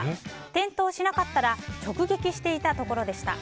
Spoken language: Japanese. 転倒しなかったら直撃していたところでした。